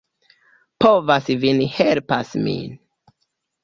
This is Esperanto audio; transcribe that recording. Povas vin helpas min?